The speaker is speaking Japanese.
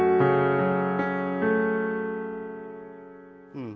うん。